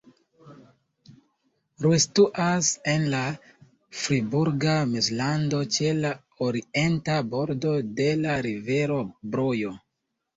Rue situas en la Friburga Mezlando ĉe la orienta bordo de la rivero Brojo.